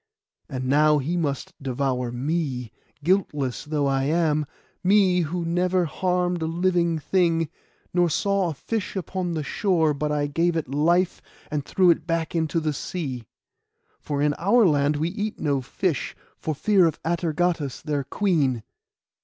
And now he must devour me, guiltless though I am—me who never harmed a living thing, nor saw a fish upon the shore but I gave it life, and threw it back into the sea; for in our land we eat no fish, for fear of Atergatis their queen.